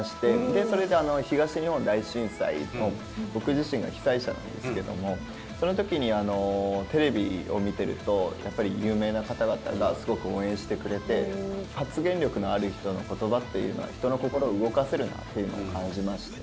でそれで東日本大震災の僕自身が被災者なんですけどもその時にテレビを見てるとやっぱり有名な方々がすごく応援してくれて発言力のある人の言葉っていうのは人の心を動かせるなっていうのを感じまして。